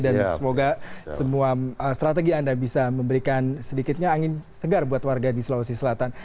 dan semoga semua strategi anda bisa memberikan sedikitnya angin segar buat warga di sulawesi selatan